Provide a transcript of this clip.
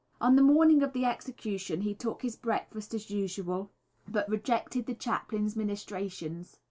On the morning of the execution he took his breakfast as usual, but rejected the chaplain's ministrations.